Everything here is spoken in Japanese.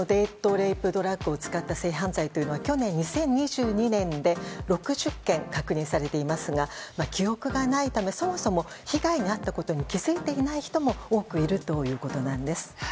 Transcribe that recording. レイプドラッグを使った性被害というのは去年、２０２２年で６０件確認されていますが記憶がないためそもそも被害に遭ったことに気づいていない人も多くいるということなんです。